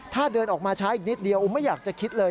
ถ้าเดินออกมาช้าอีกนิดเดียวไม่อยากจะคิดเลย